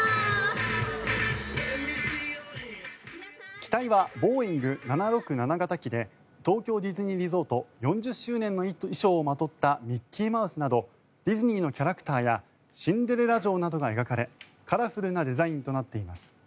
機体はボーイング７６７型機で東京ディズニーリゾート４０周年の衣装をまとったミッキーマウスなどディズニーのキャラクターやシンデレラ城などが描かれカラフルなデザインとなっています。